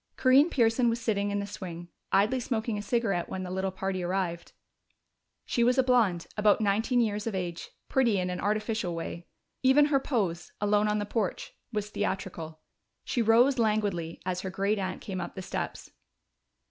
Corinne Pearson was sitting in the swing, idly smoking a cigarette when the little party arrived. She was a blonde, about nineteen years of age, pretty in an artificial way. Even her pose, alone on the porch, was theatrical. She rose languidly as her great aunt came up the steps.